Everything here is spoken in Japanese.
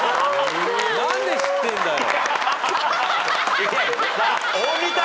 何で知ってんだよ。